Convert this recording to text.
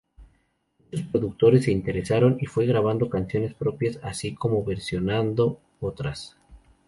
Muchos productores se interesaron, y fue grabando canciones propias así como versionando otras.